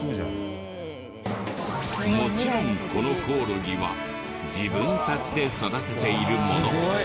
もちろんこのコオロギは自分たちで育てているもの。